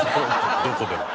どこでも。